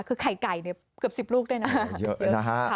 คือไข่ไก่เนี่ยเกือบ๑๐ลูกได้นะ